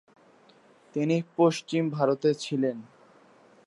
তিনি পশ্চিম ভারতে ছিলেন।